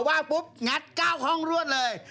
ว่างปุ๊บงัด๙ห้องรวดเลย